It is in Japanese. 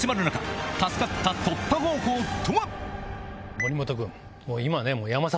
森本君。